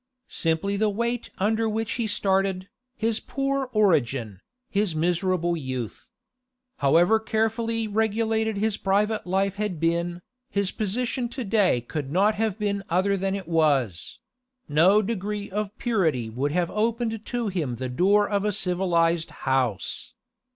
Simply the weight under which he started, his poor origin, his miserable youth. However carefully regulated his private life had been, his position to day could not have been other than it was; no degree of purity would have opened to him the door of a civilised house.